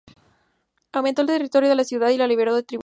Aumentó el territorio de la ciudad y la liberó de tributos.